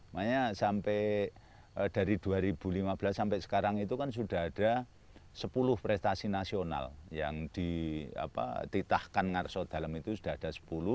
makanya sampai dari dua ribu lima belas sampai sekarang itu kan sudah ada sepuluh prestasi nasional yang dititahkan ngarso dalam itu sudah ada sepuluh